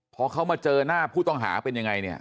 พอเขามาเจอหน้าผู้ต้องหาเป็นยังไงเนี่ย